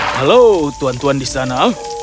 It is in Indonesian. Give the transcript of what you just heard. halo tuan tuan di sana